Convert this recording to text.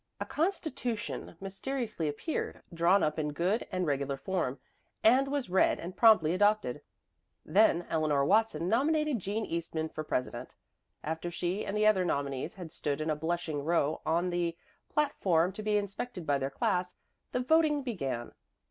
A constitution mysteriously appeared, drawn up in good and regular form, and was read and promptly adopted. Then Eleanor Watson nominated Jean Eastman for president. After she and the other nominees had stood in a blushing row on the platform to be inspected by their class, the voting began.